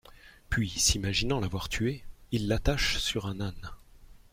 Puis, s'imaginant l'avoir tuée, ils l'attachent sur un âne.